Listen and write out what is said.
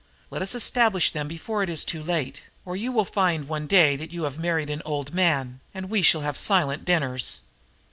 Let us establish them before it is too late, or you will find one day that you have married an old man, and we shall have silent dinners.